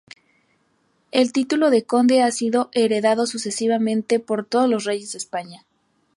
El título de Conde ha sido heredado sucesivamente por todos los Reyes de España.